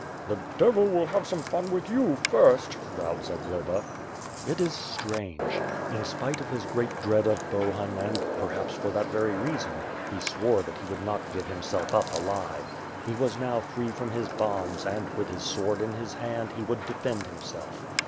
"The devil will have some fun with you, first/' growled Zagloba. It is strange! In spite of his great dread of Bohun and, perhaps, for that very reason, he swore that h^ would not give himself up alive. He was now free from his bonds and, with his sword in his hand, he would defend himself.